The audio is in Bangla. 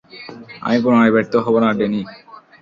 আমি পুনরায় ব্যর্থ হবো না, ড্যানি।